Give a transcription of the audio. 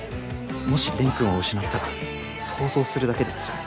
もし蓮くんを失ったら想像するだけでつらい。